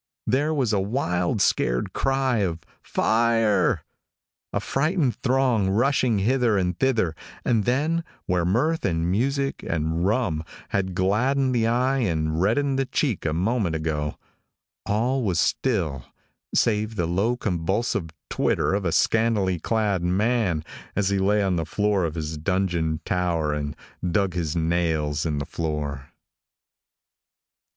There was a wild scared cry of "fire": a frightened throng rushing hither and thither, and then, where mirth and music and rum had gladdened the eye and reddened the cheek a moment ago, all was still save the low convulsive titter of a scantily clad man, as he lay on the floor of his donjon tower and dug his nails in the floor.